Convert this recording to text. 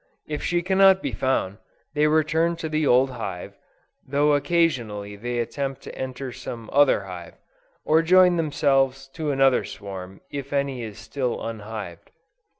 If she cannot be found, they return to the old hive, though occasionally they attempt to enter some other hive, or join themselves to another swarm if any is still unhived.